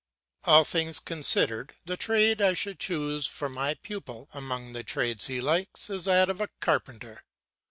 All things considered, the trade I should choose for my pupil, among the trades he likes, is that of a carpenter.